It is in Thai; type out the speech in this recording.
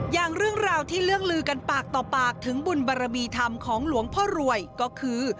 อย่างเรื่องราวที่เรื่องลือกันปากต่อปากถึงบุญบารมีธรรมของหลวงพ่อรวยก็คือ